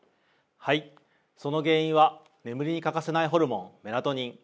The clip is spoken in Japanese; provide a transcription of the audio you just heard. はいその原因は眠りに欠かせないホルモン「メラトニン」